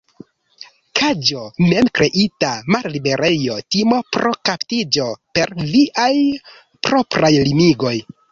Kaĝo: Mem-kreita malliberejo; timo pro kaptiĝo per viaj propraj limigoj.